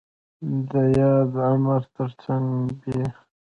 د ياد امر تر څنګ ب